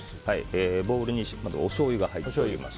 ボウルに、まずおしょうゆが入っています。